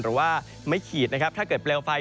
หรือว่าไม่ขีดนะครับถ้าเกิดเปลวไฟ